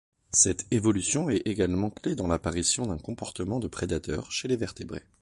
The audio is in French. Cette évolution est également clé dans l’apparition d’un comportement de prédateur chez les vertébrés.